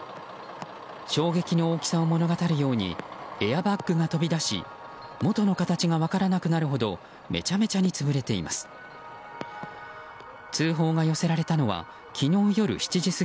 衝撃の大きさを物語るようにエアバッグが飛び出し元の形が分からなくなるほどめちゃめちゃに潰れています。